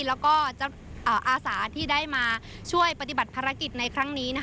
แล้วก็อาสาที่ได้มาช่วยปฏิบัติภารกิจในครั้งนี้